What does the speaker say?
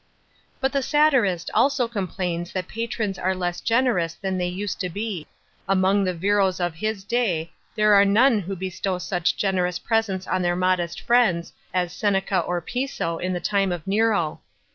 ' J But the satirist also complains that patrons are less generous than they used to be. Among the Virros of his day there are none who bestow such gen rous presents on their modest fri' nds as Seneca or Piso in the time of Nero.